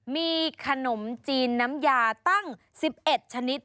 มีขนมจีนน้ำยาตั้ง๑๑ชนิด